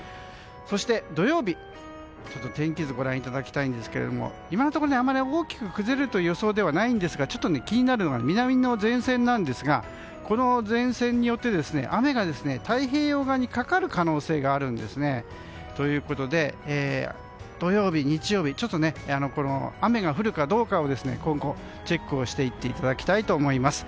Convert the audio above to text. そして、土曜日の天気図をご覧いただきたいんですが今のところあまり大きく崩れる予想ではないんですが気になるのが南の前線なんですがこの前線によって雨が太平洋側にかかる可能性があるんですね。ということで土曜日、日曜日雨が降るかどうかを今後チェックしていっていただきたいと思います。